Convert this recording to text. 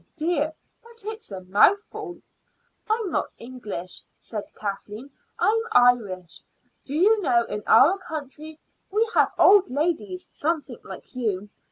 "Oh, dear, but it's a mouthful." "I'm not English," said Kathleen; "I'm Irish. Do you know, in our country we have old ladies something like you.